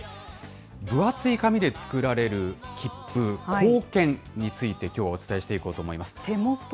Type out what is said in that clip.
分厚い紙で作られるきっぷ、硬券について、きょうはお伝えしていこうと思います。